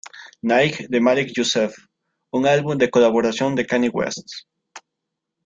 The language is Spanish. Night de Malik Yusef, un álbum de colaboración de Kanye West.